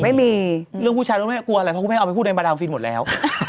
เรื่องผู้ชายเราไม่ได้กลัวอะไรเพราะคุณแม่เอาไปพูดในบาดาวฟิล์มหมดแล้ว